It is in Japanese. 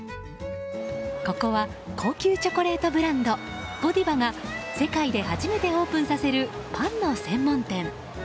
ここは高級チョコレートブランドゴディバが世界で初めてオープンさせるパンの専門店。